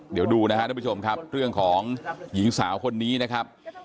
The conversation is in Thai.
เดี๋ยวดูนะครับทุกผู้ชมครับเรื่องของหญิงสาวคนนี้นะครับ